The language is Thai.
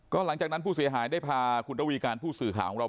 หลังจากนั้นผู้เสียหายได้พาคุณระวีการผู้สื่อข่าวของเรา